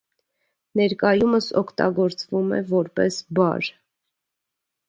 Ներկայումս օգտագործվում է որպես բար։